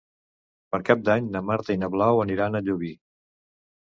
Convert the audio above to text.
Per Cap d'Any na Marta i na Blau aniran a Llubí.